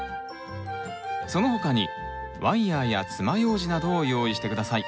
その他にワイヤーやつまようじなどを用意して下さい。